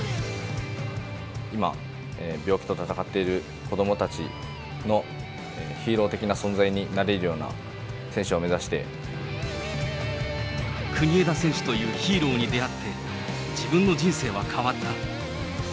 今、病気と闘っている子どもたちのヒーロー的な存在になれるような選国枝選手というヒーローに出会って、自分の人生は変わった。